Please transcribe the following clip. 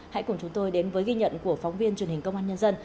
hãy cùng chúng tôi đến với ghi nhận của phóng viên truyền hình công an nhân dân